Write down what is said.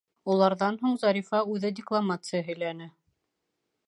Уларҙан һуң Зарифа үҙе декламация һөйләне.